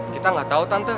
kita gak tau tante